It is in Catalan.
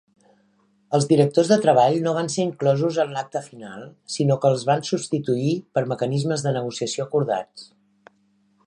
Els directors de treball no van ser inclosos en l'acte final, sinó que els van substituir per mecanismes de negociació acordats.